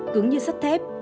cứng như sắt thép